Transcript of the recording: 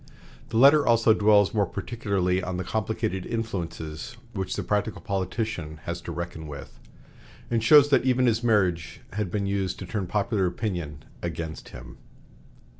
The letter also dwells more particularly on the complicated influences which the practical politician has to reckon with, and shows that even his marriage had been used to turn popular opinion against him.